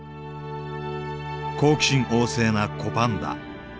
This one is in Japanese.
好奇心旺盛な子パンダ。